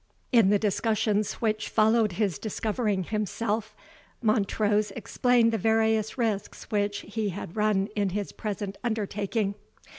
In the discussions which followed his discovering himself, Montrose explained the various risks which he had run in his present undertaking.